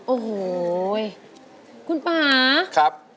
โอ้โหคุณป่าครับ